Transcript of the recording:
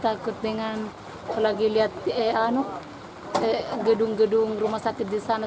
takut dengan lagi lihat gedung gedung rumah sakit di sana